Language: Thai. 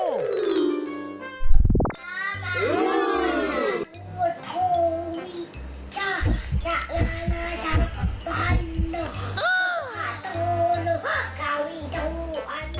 บวชโทวิจาจักรราชาพันธุ์พระธุรกาวิจาโวอันนั้น